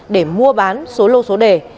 để mua bán số lô số đề